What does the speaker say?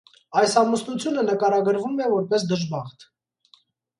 Այս ամուսնությունը նկարագրվում է որպես դժբախտ։